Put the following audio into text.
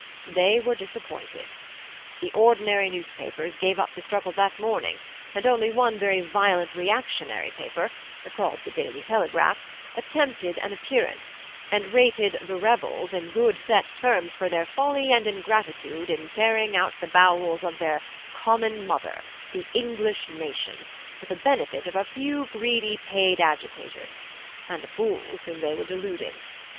They were disappointed. The ordinary newspapers gave up the struggle that morning, and only one very violent reactionary paper (called the Daily Telegraph) attempted an appearance, and rated 'the rebels' in good set terms for their folly and ingratitude in tearing out the bowels of their 'common mother,' the English Nation, for the benefit of a few greedy paid agitators, and the fools whom they were deluding.